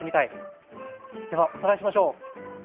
ではおさらいしましょう。